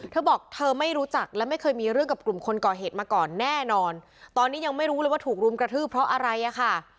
เธอบอกเธอไม่รู้จักและไม่เคยมีเรื่องกับกลุ่มคนก่อเหตุมาก่อนแน่นอนตอนนี้ยังไม่รู้เลยว่าถูกรุมกระทืบเพราะอะไรอ่ะค่ะ